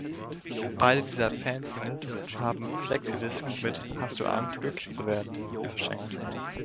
Beide dieser Fanzines haben Flexidiscs mit „Hast du Angst, glücklich zu werden?“ verschenkt.